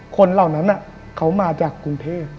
เหล่านั้นเขามาจากกรุงเทพ